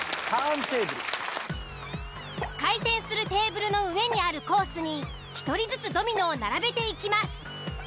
回転するテーブルの上にあるコースに１人ずつドミノを並べていきます。